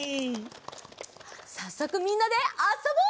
さっそくみんなであそぼう！